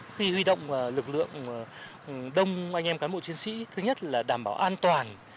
khi huy động lực lượng đông anh em cán bộ chiến sĩ thứ nhất là đảm bảo an toàn